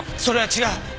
それは違う！